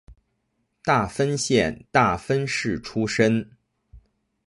大分县大分市出身。